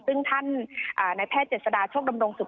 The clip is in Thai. ซึ่งท่านในแพทย์เจ็ดสดาโชคดำรงสุข